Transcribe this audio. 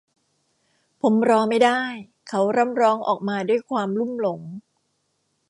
ผมรอไม่ได้ เขาร่ำร้องออกมาด้วยความความลุ่มหลง